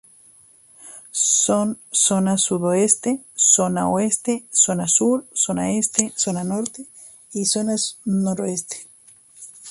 Son: Zona Sudoeste, Zona Oeste, Zona Sur, Zona Este, Zona Norte y Zona Noroeste.